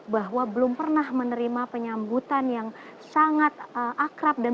bahwa belum pernah menerima penyambutan yang sangat akrab